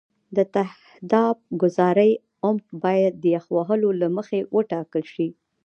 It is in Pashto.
د تهداب ګذارۍ عمق باید د یخ وهلو له مخې وټاکل شي